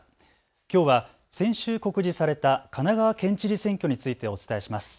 きょうは先週告示された神奈川県知事選挙についてお伝えします。